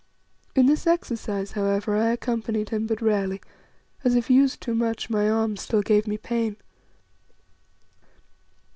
In this exercise, however, I accompanied him but rarely, as, if used too much, my arm still gave me pain.